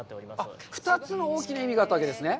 あっ、２つの大きな意味があったわけですね。